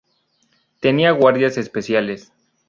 Tenía guardias especiales.